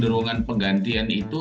batasnya adalah penggantian smartphone